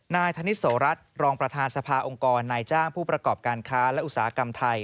นายธนิสโสรัตน์รองประธานสภาองค์กรนายจ้างผู้ประกอบการค้าและอุตสาหกรรมไทย